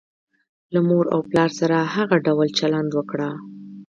له مور او پلار سره هغه ډول چلند وکړه.